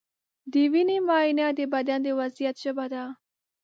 د وینې معاینه د بدن د وضعیت ژبه ده.